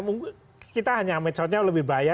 mungkin kita hanya medsosnya lebih bahaya